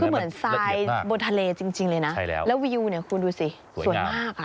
คือเหมือนทรายบนทะเลจริงเลยนะแล้ววิวเนี่ยคุณดูสิสวยมากอ่ะ